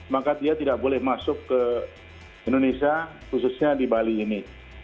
maka dia tidak boleh masuk ke indonesia khususnya di bali ini